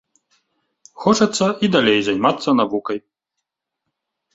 Хочацца і далей займацца навукай.